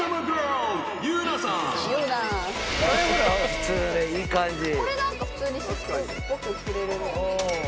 普通でいい感じ。